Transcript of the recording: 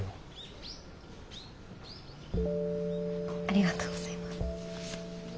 ありがとうございます。